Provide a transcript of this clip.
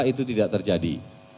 itu tidak terjadi